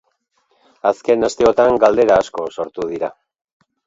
Azken asteotan galdera asko sortu dira.